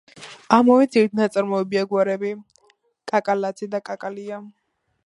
ამავე ძირით ნაწარმოებია გვარებია: კაკალაძე და კაკალია.